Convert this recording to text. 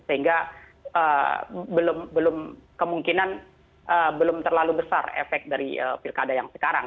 sehingga kemungkinan belum terlalu besar efek dari pilkada yang sekarang